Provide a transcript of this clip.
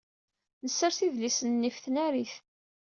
Nessers idlisen-nni ɣef tnarit.